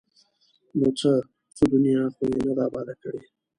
ـ نو څه؟ څه دنیا خو یې نه ده اباد کړې!